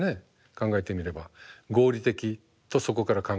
考えてみれば合理的とそこから考える。